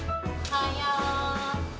おはよう。